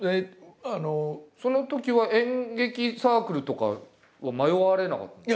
そのときは演劇サークルとかは迷われなかったんですか？